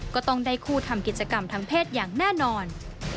ก็ต้องได้คู่ทำกิจกรรมทางเพศอย่างแน่นอน